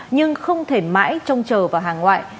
nhưng không thể mãi trông chờ vào hàng ngoại